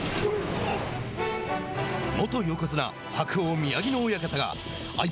元横綱・白鵬、宮城野親方が相棒